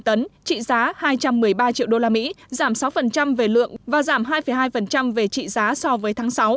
trị giá hai trăm một mươi ba triệu đô la mỹ giảm sáu về lượng và giảm hai hai về trị giá so với tháng sáu